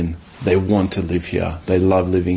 mereka ingin hidup di sini